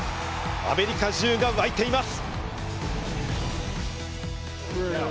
アメリカ中が沸いています。